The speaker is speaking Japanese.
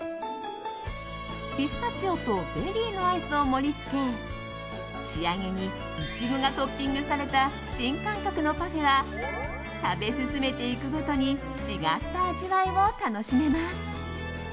ピスタチオとベリーのアイスを盛りつけ仕上げにイチゴがトッピングされた新感覚のパフェは食べ進めていくごとに違った味わいを楽しめます。